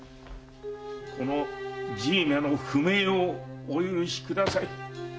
このじいめの不明をお許しください。